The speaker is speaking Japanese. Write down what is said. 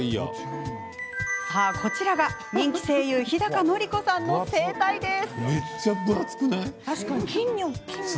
こちらが、人気声優日高のり子さんの声帯です。